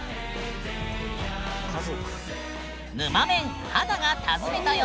ぬまメン華が訪ねたよ！